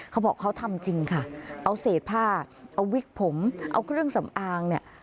เขาบอกเขาทำจริงค่ะเอาเศษผ้าเอาวิกผมเอาเครื่องสำอางเนี่ย